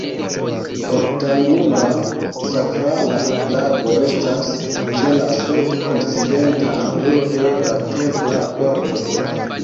Ortangula sakrala lago estas ĉe la sud-okcidenta angulo de la templa korto.